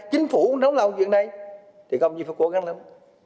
chính phủ cũng nóng lòng với việc này thì công ty phải cố gắng lắm